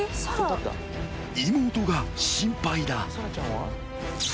［妹が心配だ］